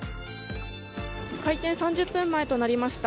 開店３０分前となりました。